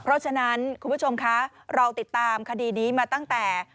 เพราะฉะนั้นคุณผู้ชมคะเราติดตามคดีนี้มาตั้งแต่